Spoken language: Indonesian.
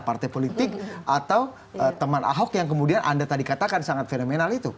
partai politik atau teman ahok yang kemudian anda tadi katakan sangat fenomenal itu